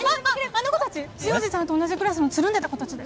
あの子たち潮路さんと同じクラスのつるんでた子たちだよ。